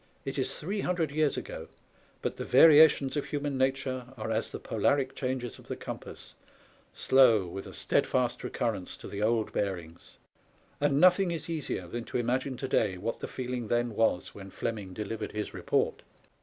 It is three himdred years ago, but the variations of human nature are as the polaric changes of the compass, slow, with a stead fast recurrence to the old bearings ; and nothing is easier than to imagine to day what the feeling then was when Fleming delivered his report.